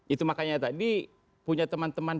itu makanya tadi punya teman teman